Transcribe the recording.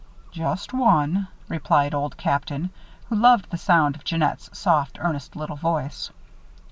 "Just one," replied Old Captain, who loved the sound of Jeannette's soft, earnest little voice.